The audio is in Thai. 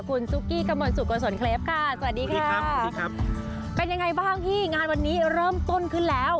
คุณซุกกี้กระมวลสุกุศลเคลปค่ะสวัสดีค่ะสวัสดีครับเป็นยังไงบ้างที่งานวันนี้เริ่มต้นขึ้นแล้ว